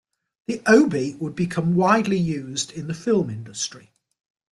The Obie would become widely used in the film industry.